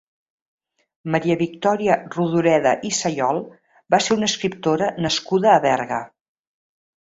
Maria Victòria Rodoreda i Sayol va ser una escriptora nascuda a Berga.